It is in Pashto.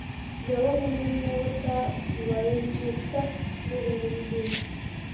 یوه ملګري مو ورته ویل چې سخت ووېرېدو.